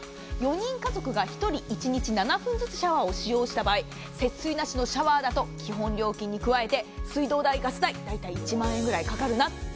４人家族が１人一日７分ずつシャワーを使用した場合節水なしのシャワーだと基本料金に加えて、水道代、ガス代、大体１万円ぐらいかかるな。